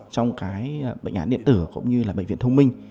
trong cái bệnh án điện tử cũng như là bệnh viện thông minh